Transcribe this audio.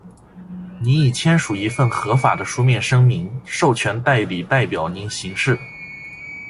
您已签署一份合法的书面声明，授权代理代表您行事。